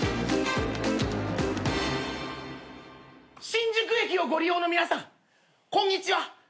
新宿駅をご利用の皆さんこんにちは。